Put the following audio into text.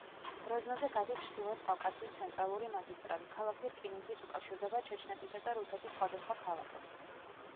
გროზნოზე გადის ჩრდილოეთ კავკასიის ცენტრალური მაგისტრალი, ქალაქი რკინიგზით უკავშირდება ჩეჩნეთისა და რუსეთის სხვადასხვა ქალაქებს.